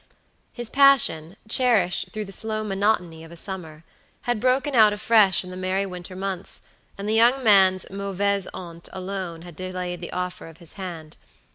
His passion, cherished through the slow monotony of a summer, had broken out afresh in the merry winter months, and the young man's mauvaise honte alone had delayed the offer of his hand.